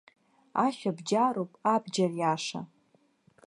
Ашәа бџьаруп, абџьар иаша.